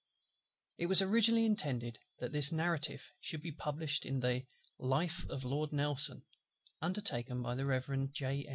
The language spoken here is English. It was originally intended that this Narrative should be published in the LIFE OF LORD NELSON, undertaken by the Rev. J.